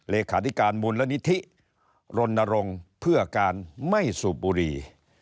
เลขาธิการมูลนิธิรณรงค์เพื่อการไม่สูบบุรี